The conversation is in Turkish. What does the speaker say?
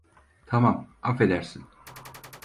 Tamam, affedersin.